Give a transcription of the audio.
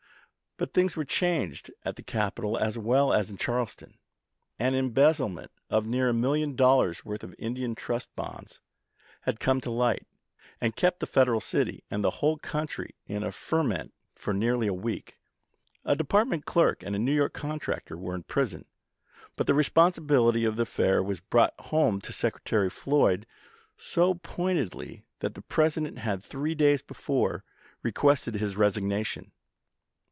But things were changed at the capital as well as in Charleston. An embezzlement of near a million dollars' worth of Indian Trust Bonds had come to light, and kept the Federal city and the whole country in a ferment for nearly a week. A Department clerk and a New York contractor were in prison, but the responsibility of the affair was brought home to Secretary Floyd so pointedly that anan's Ad the President had, three days before, requested his tiovp.iss. resignation.